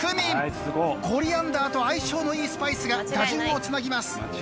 コリアンダーと相性のいいスパイスが打順をつなぎます。